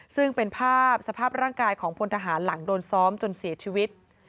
ซึ่งเป็นภาพสภาพร่างกายของพลทหารหลังโดนซ้อมจนเสียชีวิต